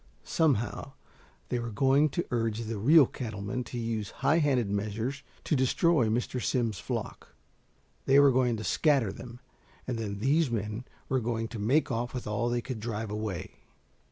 Somehow they were going to urge the real cattle men to use highhanded measures to destroy Mr. Simms's flock. They were going to scatter them, and then these men were going to make off with all they could drive away.